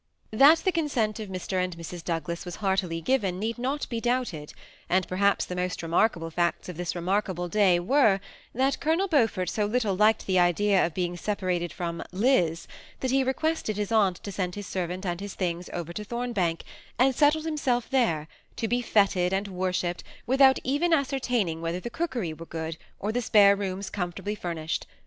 That the consent of Mr. and Mrs. Douglas was heart ily given need not be doubted ; and perhaps the most remarkable facts of this remarkable day were, that Colonel Beaufort so little liked the idea of being sepa rated from " Liz," that he requested his aunt to send his servant and his things over to Thornbank, and settled himself there, to be fluted and worshipped, without even ascertaining whether the cookery were good, or the spare 356 THE SEMI ATTACHED COUPLE. rooms comfortably famished.